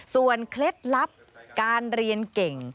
เคล็ดลับการเรียนเก่ง